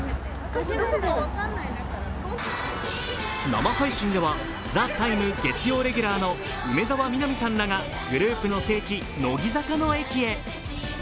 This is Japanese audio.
生配信では、「ＴＨＥＴＩＭＥ，」月曜レギュラーの梅澤美波さんらがグループの聖地、乃木坂の駅へ。